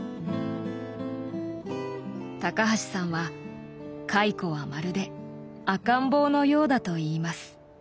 高橋さんは蚕はまるで赤ん坊のようだといいます。